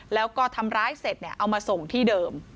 แล้วก็ทำร้ายเสร็จเอามาส่งที่เดิม